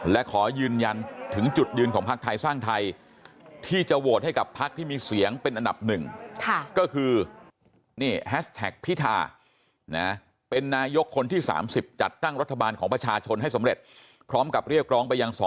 และขอยืนยันถึงจุดยืนของภักดิ์ไทยสร้างไทยที่จะโหวตให้กับภักดิ์ที่มีเสียงเป็นอันดับหนึ่ง